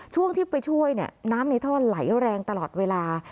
ช่วงที่ไปช่วยน้ำในท่อไหลแรงตลอดเวลา